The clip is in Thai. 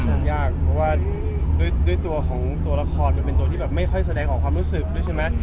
เพราะว่าด้วยตัวของตัวละครมันเป็นตัวไม่พอแสดงของความรู้สึกด้วยใช่ไหม